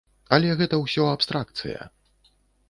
Але гэта ўсё абстракцыя.